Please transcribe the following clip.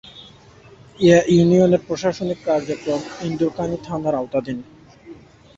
এ ইউনিয়নের প্রশাসনিক কার্যক্রম ইন্দুরকানী থানার আওতাধীন।